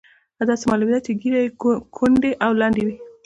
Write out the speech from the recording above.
داسې معلومېده چې ږیره یې کونډۍ او لنډۍ وه.